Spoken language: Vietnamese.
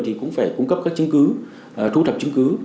thì cũng phải cung cấp các chứng cứ thu thập chứng cứ